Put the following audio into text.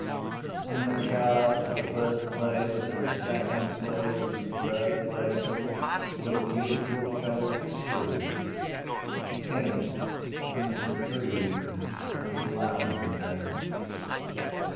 And the cards for first place and second place and third place were beautiful colours too: pink and cream and lavender.